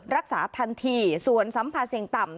รักษาทันทีส่วนสัมผัสเสี่ยงต่ำ